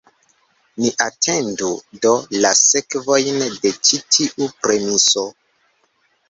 Ni atendu, do, la sekvojn de ĉi tiu premiso.